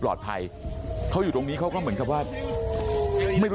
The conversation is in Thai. พวกมันกลับมาเมื่อเวลาที่สุดพวกมันกลับมาเมื่อเวลาที่สุด